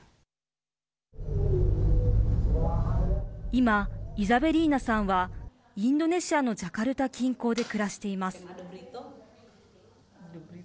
今、イザベリーナさんはインドネシアのジャカルタ近郊で暮らしています。